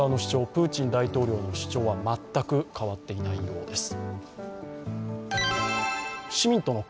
プーチン大統領の主張は全く変わっていないようです。